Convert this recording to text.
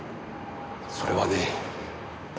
それはね